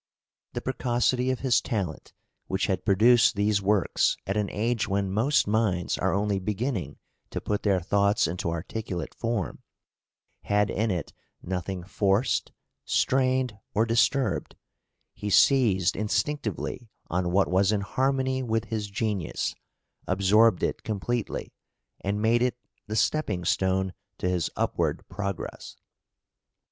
The precocity of his talent, which had produced these works at an age when most minds are only beginning to put their thoughts into articulate form, had in it nothing forced, strained, or disturbed; he seized instinctively on what was in harmony with his genius, absorbed it completely, and made it the stepping stone to his upward progress.